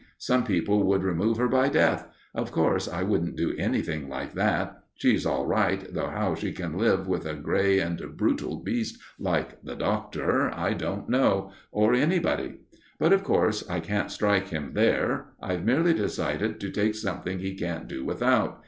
Some people would remove her by death. Of course, I wouldn't do anything like that. She's all right, though how she can live with a grey and brutal beast like the Doctor, I don't know or anybody. But, of course, I can't strike him there. I've merely decided to take something he can't do without.